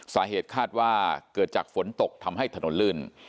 สาเหตุคาดว่าเกิดจากฝนตกทำให้ถนนลื่น